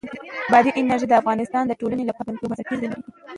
بادي انرژي د افغانستان د ټولنې لپاره یو بنسټيز رول لري.